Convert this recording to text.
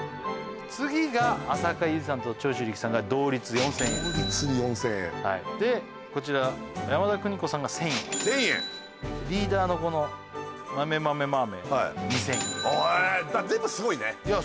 次が浅香唯さんと長州力さんが同率４０００円同率４０００円でこちら山田邦子さんが１０００円リーダーのこのマメマメマーメ２０００円へえ全部すごいねいや